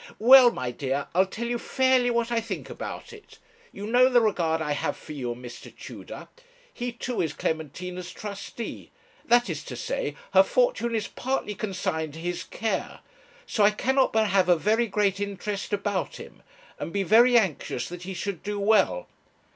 'Well, my dear, I'll tell you fairly what I think about it. You know the regard I have for you and Mr. Tudor. He, too, is Clementina's trustee; that is to say, her fortune is partly consigned to his care; so I cannot but have a very great interest about him, and be very anxious that he should do well.